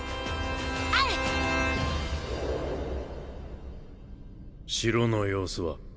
あう！城の様子は？